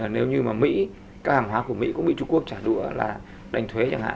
nếu như mà mỹ các hàng hóa của mỹ cũng bị trung quốc trả đũa là đánh thuế chẳng hạn